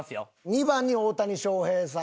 ２番に大谷翔平さん。